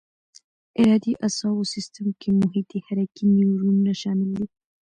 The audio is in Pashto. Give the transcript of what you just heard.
ارادي اعصابو سیستم کې محیطي حرکي نیورونونه شامل دي.